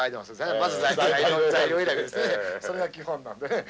それが基本なんで。